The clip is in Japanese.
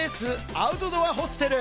アウトドアホステル。